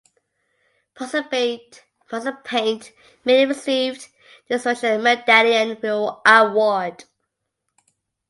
Participant Media received the Special Medallion award.